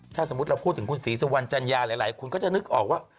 ถ้าสมมุติเราพูดถึงคุณศรีสุวรรณจัญญาหลายคนก็จะนึกออกว่า